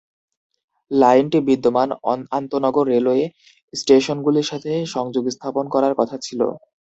লাইনটি বিদ্যমান আন্তঃনগর রেলওয়ে স্টেশনগুলির সাথে সংযোগ স্থাপন করার কথা ছিল।